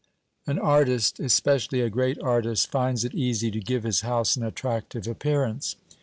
An artist, especially a great artist, finds it easy to give his house an attractive appearance.